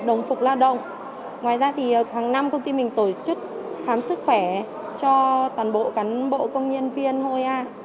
và đồng phục lao động ngoài ra thì khoảng năm công ty mình tổ chức khám sức khỏe cho toàn bộ cán bộ công nhân viên h sai được xài xuất